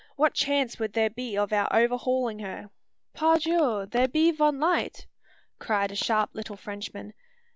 What chance would there be of our overhaulin' her?" "Par Dieu! there be von light!" cried a sharp eyed little Frenchman.